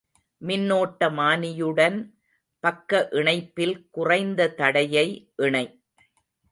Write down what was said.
மின்னோட்டமானியுடன் பக்க இணைப்பில் குறைந்த தடையை இணை.